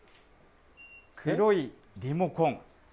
黒いリモコン。